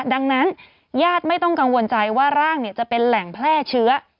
ดังนั้นญาติไม่ต้องกังวลใจว่าร่างจะเป็นแหล่งแพร่เชื้อ